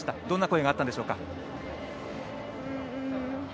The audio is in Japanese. どんな言葉があったんでしょうか。